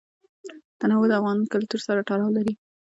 تنوع د افغان کلتور سره تړاو لري.